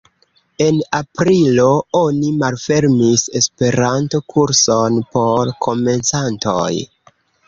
En aprilo oni malfermis Esperanto-kurson por komencantoj.